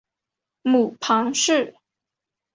母庞氏。